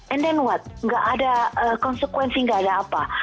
and then what tidak ada konsekuensi tidak ada apa